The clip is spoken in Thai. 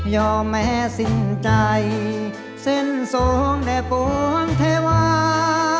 ยอมแม้สิ้นใจเส้นส่งได้ปวงเทวา